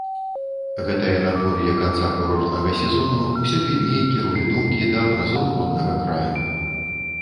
Гэтае надвор'е канца курортнага сезону ўсё пільней кіруе думкі да абразоў роднага краю.